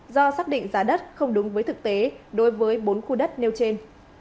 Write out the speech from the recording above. do xác định giá đất không đúng với thực tế đối với bốn khu đất nêu trên